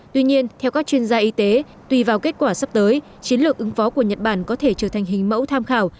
tuy nhiên theo các chuyên gia y tế tùy vào kết quả sắp tới chiến lược ứng phó của nhật bản có thể trở thành hình mẫu tham khảo